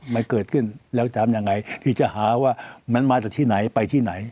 มันเกิดขึ้นแล้วจะทำยังไงที่จะหาว่ามันมาจากที่ไหนไปที่ไหน